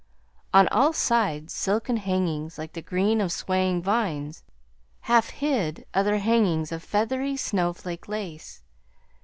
On all sides silken hangings, like the green of swaying vines, half hid other hangings of feathery, snowflake lace.